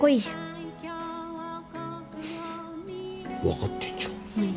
分かってんじゃん。